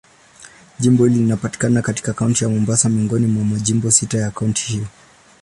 Jimbo hili linapatikana katika Kaunti ya Mombasa, miongoni mwa majimbo sita ya kaunti hiyo.